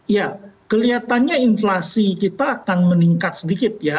ya kelihatannya inflasi kita akan meningkat sedikit ya